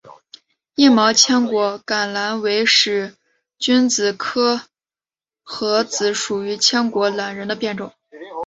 硬毛千果榄仁为使君子科诃子属千果榄仁的变种。